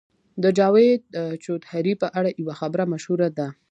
د جاوید چودهري په اړه یوه خبره مشهوره ده.